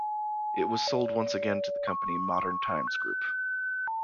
It was sold once again to the company Modern Times Group.